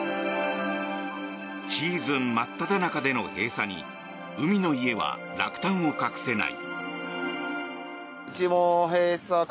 シーズン真っただ中での閉鎖に海の家は落胆を隠せない。